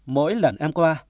mỗi lần em qua